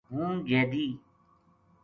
ہوں جیدی